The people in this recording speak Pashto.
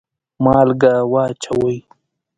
مالګه واچوئ